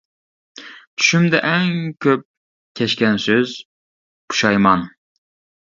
چۈشۈمدە ئەڭ كۆپ كەچكەن سۆز: پۇشايمان.